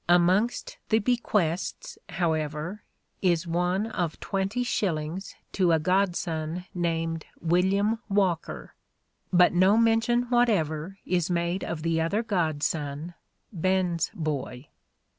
Amongst the bequests, however, is one of twenty shillings to a godson named William Walker, but no mention whatever is made of the other godson, Ben's boy.